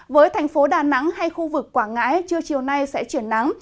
với thành phố đà nẵng hay khu vực quảng ngãi trưa chiều nay sẽ chuyển nắng